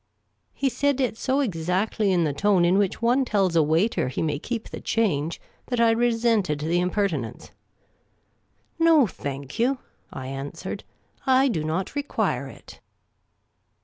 '' He said it so exactly in the tone in which one tells a waiter he may keep the change that I resented the impertinence. " No, thank you," I answered. " I do not require it."